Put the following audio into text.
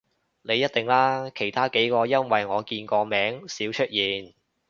你一定啦，其他幾個因爲我見個名少出現